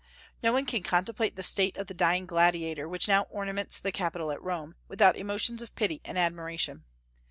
No one can contemplate the statue of the Dying Gladiator which now ornaments the capitol at Rome, without emotions of pity and admiration.